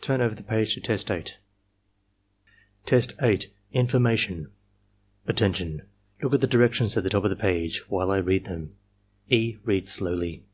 Turn over the page to Test 8." 66 ARMY MENTAL TESTS Test 8. — ^Information "Attention! Look at the directions at the top of the page while I read them." (E. reads slowly.)